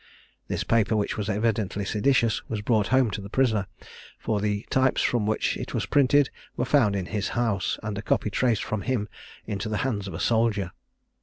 This paper, which was evidently seditious, was brought home to the prisoner, for the types from which it was printed were found in his house, and a copy traced from him into the hands of a soldier.